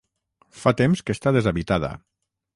Fa temps que està deshabitada.